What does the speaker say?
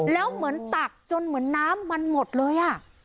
แล้วเหมือนตักจนเหมือนน้ำมันหมดเลยอ่ะ